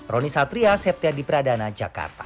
roni satria septia di pradana jakarta